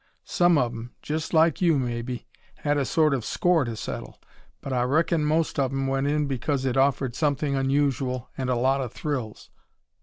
Some of 'em, just like you, maybe, had a sort of score to settle. But I reckon most of 'em went in because it offered something unusual and a lot of thrills.